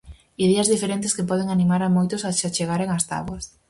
Ideas diferentes que poden animar a moitos a se achegaren ás táboas.